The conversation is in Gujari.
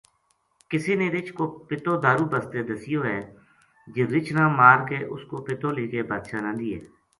کسے نے رچھ کو پِتو دارو بسطے دسیو ہے جی رچھ نا مار کے اُس کو پِتو لے کے بادشاہ نا دیے